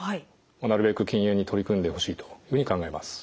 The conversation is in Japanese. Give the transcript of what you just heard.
なるべく禁煙に取り組んでほしいというふうに考えます。